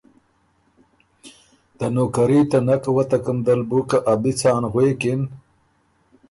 ته نوکري ته نک وتکم دل بُو که ا بی څان غوېکِن